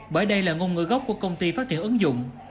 bởi đây là ngôn ngữ gốc của công ty phát triển ứng dụng